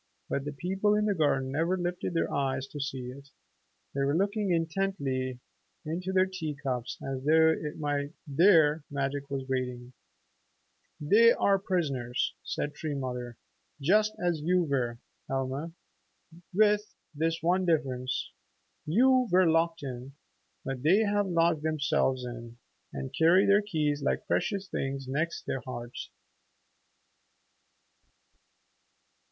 But the people in the garden never lifted their eyes to see it. They were looking intently into their tea cups as though it might be there magic was waiting. "They are prisoners," said Tree Mother, "just as you were, Helma, with this one difference. You were locked in, but they have locked themselves in and carry their keys like precious things next their hearts."